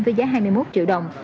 với giá hai mươi một triệu đồng